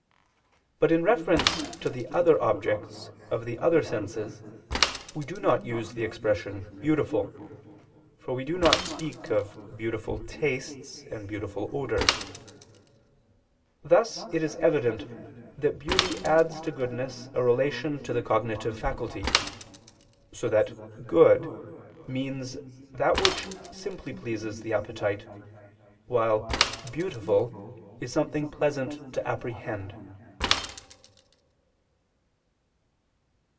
But in reference to the other objects of the other senses, we do not use the expression "beautiful," for we do not speak of beautiful tastes, and beautiful odors. Thus it is evident that beauty adds to goodness a relation to the cognitive faculty: so that "good" means that which simply pleases the appetite; while the "beautiful" is something pleasant to apprehend.